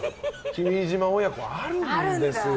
君島親子はあるんですよ。